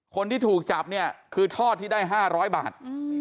คนที่ถูกจับเนี่ยคือทอดที่ได้๕๐๐บาท